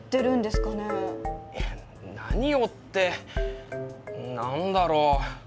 えっ何をって何だろう。